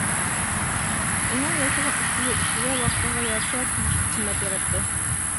ئۇنىڭ ياسىغان ئۈستىلى ئىشلىگەن ۋاقتىغا يارىشا تېگىشلىك قىممەت ياراتتى.